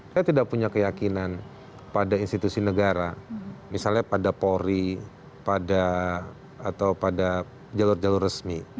saya tidak punya keyakinan pada institusi negara misalnya pada polri pada atau pada jalur jalur resmi